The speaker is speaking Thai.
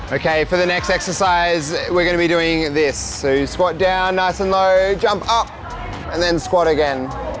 โอเคเพื่ออันตรายต่อไปเราจะทำแบบนี้